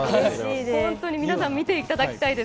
皆さん見ていただきたいです。